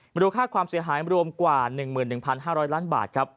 มูลค่าความเสียหายรวมกว่า๑๑๕๐๐ล้านบาทครับ